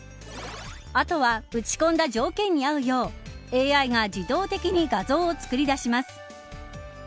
あとは打ち込んだ条件に合うようＡＩが自動的に画像を作り出します。